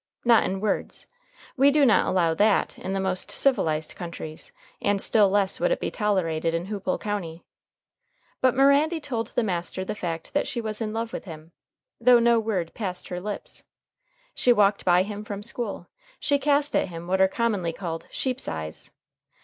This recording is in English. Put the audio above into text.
Not in words. We do not allow that in the most civilized countries, and still less would it be tolerated in Hoopole County. But Mirandy told the master the fact that she was in love with him, though no word passed her lips. She walked by him from school. She cast at him what are commonly called sheep's eyes.